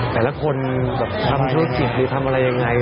แต่ละคนทำช่วยศิษย์หรือทำอะไรยังไง